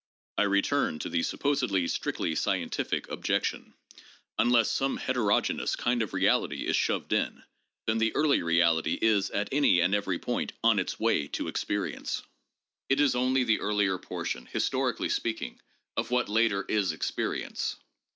I return to the supposedly strictly scientific objection. Unless some heterogeneous kind of reality is shoved in, then the early reality is at any and every point on its way to experience. It is only the earlier portion, historically speaking, of what later is experience.